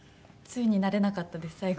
ついに慣れなかったです